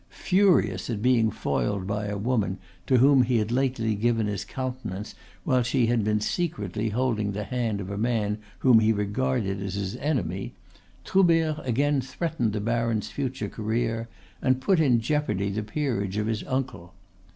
Furious at being foiled by a woman to whom he had lately given his countenance while she had been secretly holding the hand of a man whom he regarded as his enemy, Troubert again threatened the baron's future career, and put in jeopardy the peerage of his uncle.